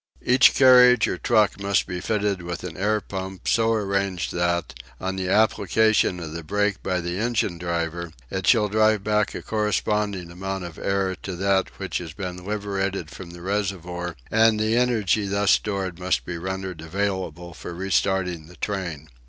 Each carriage or truck must be fitted with an air pump so arranged that, on the application of the brake by the engine driver, it shall drive back a corresponding amount of air to that which has been liberated from the reservoir, and the energy thus stored must be rendered available for re starting the train.